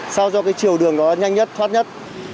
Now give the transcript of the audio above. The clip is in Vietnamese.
sao cho cái chiều đường đó nhanh nhất thoát nhất